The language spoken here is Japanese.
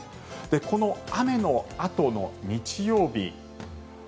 この雨のあとの日曜日